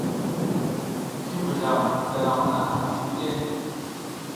Ki mbuzla dalam hana asi mike ?